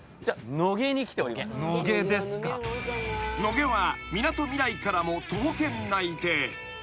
［野毛はみなとみらいからも徒歩圏内で］